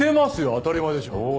当たり前でしょう。